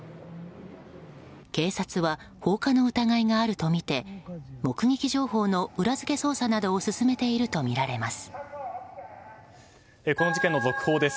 警察は放火の疑いがあるとみて目撃情報の裏付け捜査などを進めているとみられます。